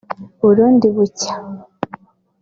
‘Burundi bucya’